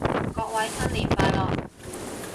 各位新年快樂